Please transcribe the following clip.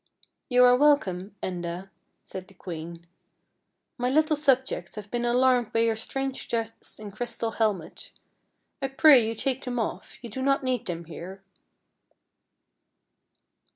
" You are welcome, Enda," said the queen. " My little subjects have been alarmed by your strange dress and crystal helmet. I pray you take them off; you do not need them here."